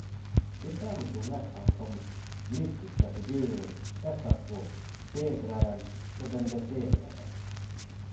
De framstod nästan som mystiska figurer, dessa två, Segraren och Den besegrade.